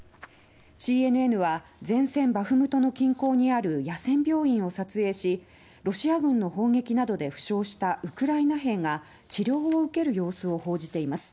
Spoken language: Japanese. ＣＮＮは、前線バフムトの近郊にある野戦病院を撮影しロシア軍の砲撃などで負傷したウクライナ兵が治療を受ける様子を報じています。